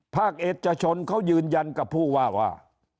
ภาคเอกชนเขายืนยันกับผู้ว่าว่า